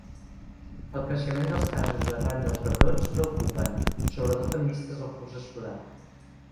El creixement dels casos arran dels rebrots preocupen, sobretot amb vista al curs escolar.